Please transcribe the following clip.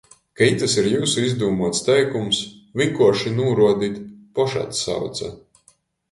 Ka itys ir jiusu izdūmuots teikums, vīnkuorši nūruodit “Pošatsauce”.